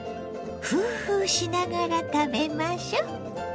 フーフーしながら食べましょ。